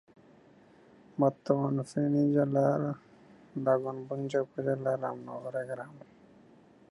বর্তমান ফেনী জেলার দাগনভূঞা উপজেলার রামনগর গ্রামে।